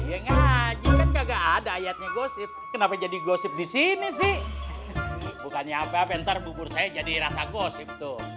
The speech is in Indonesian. ya ngaji kan kagak ada ayatnya gosip kenapa jadi gosip di sini sih bukannya apa bentar bubur saya jadi rasa gosip tuh